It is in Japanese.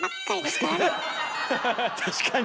確かに。